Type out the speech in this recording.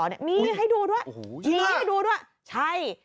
นี่ให้ดูด้วย